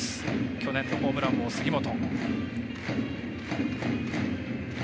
去年のホームラン王、杉本。